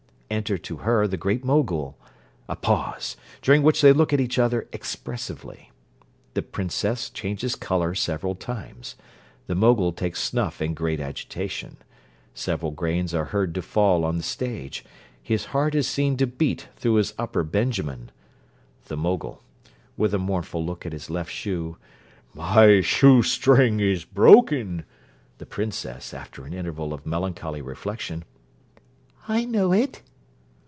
Enter to her the Great Mogul. A pause, during which they look at each other expressively. The princess changes colour several times. The Mogul takes snuff in great agitation. Several grains are heard to fall on the stage. His heart is seen to beat through his upper benjamin._ THE MOGUL (with a mournful look at his left shoe). 'My shoe string is broken.' THE PRINCESS (after an interval of melancholy reflection). 'I know it.'